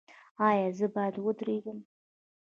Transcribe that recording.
ایا زه باید ودریږم؟